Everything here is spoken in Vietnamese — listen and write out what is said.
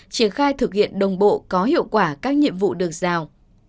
triển khai thực hiện đồng bộ có hiệu quả các nhiệm vụ được giao